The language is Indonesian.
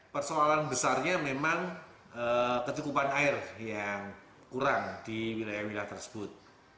persoalan besarnya memang kecukupan air yang kurang di wilayah wilayah tersebut